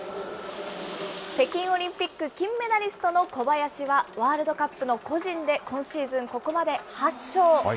北京オリンピック金メダリストの小林は、ワールドカップの個人で、今シーズンここまで８勝。